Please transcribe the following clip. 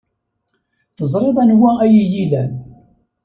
Teẓriḍ anwa ay iyi-ilan.